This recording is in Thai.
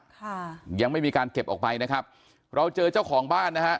ค่ะยังไม่มีการเก็บออกไปนะครับเราเจอเจ้าของบ้านนะฮะ